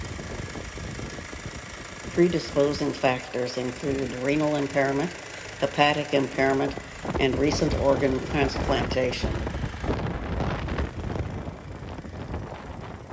Predisposing factors include renal impairment, hepatic impairment, and recent organ transplantation.